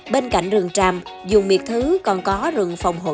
bên cạnh rừng tràm dùng miệt thứ còn có rừng phòng hộ